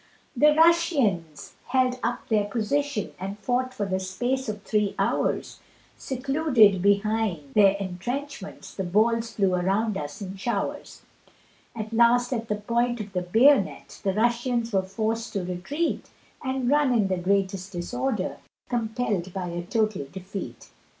The Russians held up their position, And fought for the space of three hours, Secluded behind their entrenchments, The balls flew around us in showers; At last at the point of the bayonet, The Russians were forced to retreat, And run in the greatest disorder, Compell'd by a total defeat.